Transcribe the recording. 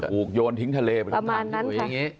โหยโยนทิ้งทะเลประมาณนั้นค่ะ